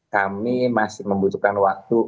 kami masih membutuhkan waktu